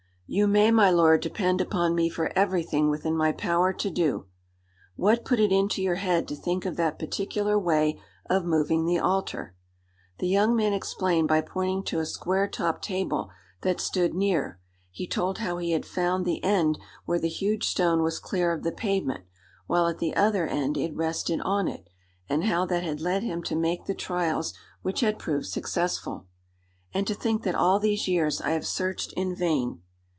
"You may, my lord, depend upon me for everything within my power to do." "What put it into your head to think of that particular way of moving the altar?" The young man explained by pointing to a square topped table that stood near. He told how he had found the end where the huge stone was clear of the pavement, while at the other end it rested on it; and how that had led him to make the trials which had proved successful. "And to think that all these years I have searched in vain!